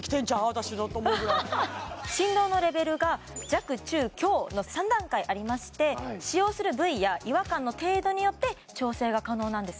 私のと思うぐらい振動のレベルが弱中強の３段階ありまして使用する部位や違和感の程度によって調整が可能なんです